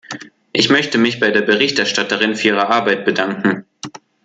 Ich möchte mich bei der Berichterstatterin für ihre Arbeit bedanken.